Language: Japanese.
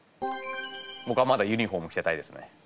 ぼくはまだユニホーム着てたいですね。